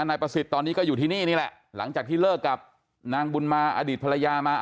นายประสิทธิ์ตอนนี้ก็อยู่ที่นี่นี่แหละหลังจากที่เลิกกับนางบุญมาอดีตภรรยามา